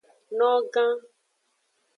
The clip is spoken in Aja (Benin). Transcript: Nogan.